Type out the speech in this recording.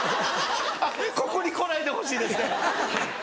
ここに来ないでほしいですね。